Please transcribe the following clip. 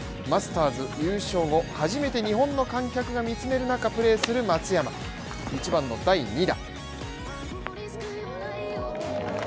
マスターズ優勝後、初めて日本の観客が見つめる中プレーする松山一番の第２打。